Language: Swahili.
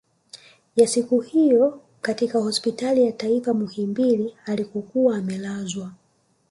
Ya siku hiyo katika hospitali ya taifa Muhimbili alikokuwa amelazwa